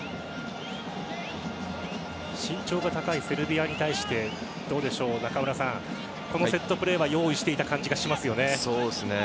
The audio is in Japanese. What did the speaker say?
身長が高いセルビアに対して中村さん、このセットプレーは用意していた感じがしますよね。